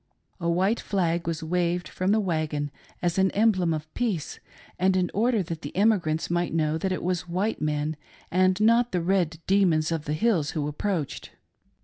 A white flag was waved from the wagon as an emblem of peace, and in order that the emigrants might know that it was white men and not the red demons of the hills who approached.